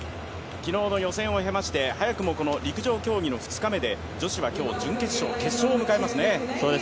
昨日の予選を経まして早くも陸上競技の２日目で女子は今日、準決勝、決勝を迎えます。